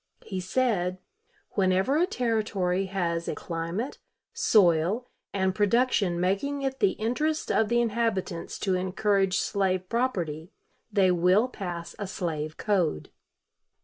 He said: "Whenever a Territory has a climate, soil, and production making it the interest of the inhabitants to encourage slave property, they will pass a slave code."